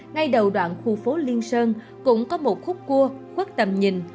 ngay đầu đoạn khu phố liên sơn cũng có một khúc cua khuất tầm nhìn